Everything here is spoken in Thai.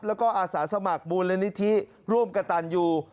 แล้วก็อาสาสมัครมูลนิธิร่วมกระตันยู